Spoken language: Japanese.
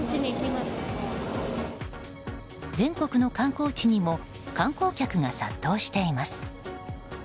全国の観光地にも観光客が殺到しています。